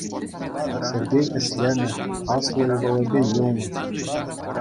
Сергей ӗҫленӗ, аслӑ ывӑлӗпе юлнӑ.